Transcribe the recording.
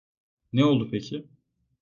Ne oldu peki?